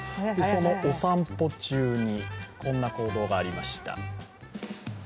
お散歩中にこんな行動がありました。